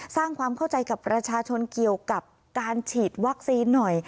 สร้างความเข้าใจกับประชาชนเกี่ยวกับการฉีดวัคซีนหน่อย